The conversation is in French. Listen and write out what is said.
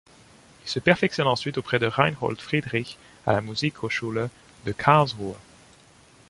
Il se perfectionne ensuite auprès de Reinhold Friedrich à la Musikhochschule de Karlsruhe.